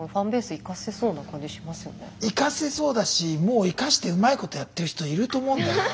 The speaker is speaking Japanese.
生かせそうだしもう生かしてうまいことやってる人いると思うんだよな。